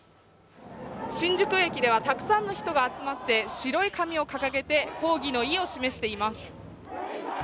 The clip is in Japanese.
新宿駅ではたくさんの人が集まって白い紙を掲げて抗議の意を示しています。